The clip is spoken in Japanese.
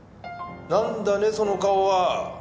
何だねその顔は。